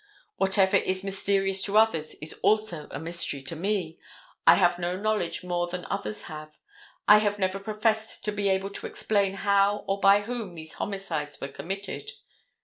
Whatever is mysterious to others is also a mystery to me. I have no knowledge more than others have. I have never professed to be able to explain how or by whom these homicides were committed."